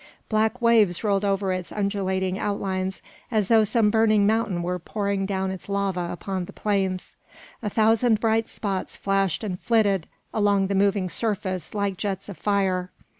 Black waves rolled over its undulating outlines, as though some burning mountain were pouring down its lava upon the plains. A thousand bright spots flashed and flitted along the moving surface like jets of fire.